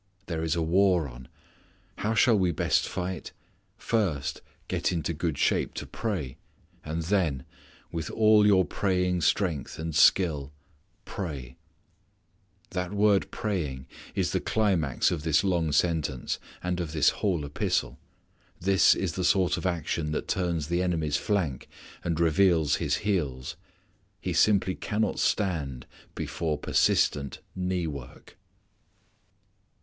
There is a war on. How shall we best fight? First get into good shape to pray, and then with all your praying strength and skill pray. That word praying is the climax of this long sentence, and of this whole epistle. This is the sort of action that turns the enemy's flank, and reveals his heels. He simply cannot stand before persistent knee work.